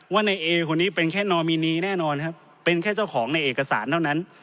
ว่าในเอคนนี้เป็นแค่นอมินีแน่นอนครับเป็นแค่เจ้าของในเอกสารเท่านั้น